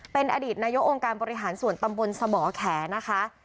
เป็นอดีตนายกองค์การบริหารส่วนตำบลสมแขนะคะ